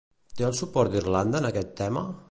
Té el suport d'Irlanda en aquest tema?